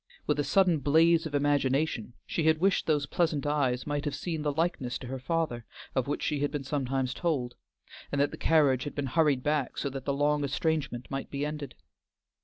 With a sudden blaze of imagination she had wished those pleasant eyes might have seen the likeness to her father, of which she had been sometimes told, and that the carriage had been hurried back, so that the long estrangement might be ended.